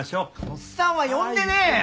おっさんは呼んでねえよ！